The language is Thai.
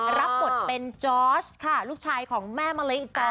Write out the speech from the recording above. รับบทเป็นจอร์สค่ะลูกชายของแม่มะลิอีกตา